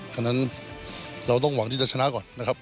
ฉะนั้นเราต้องหวังที่จะชนะก่อนนะครับ